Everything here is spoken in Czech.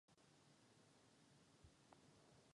Končila u železného kříže se sousoším.